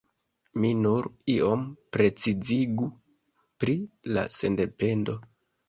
Mi nur iom precizigu pri la sendependeco.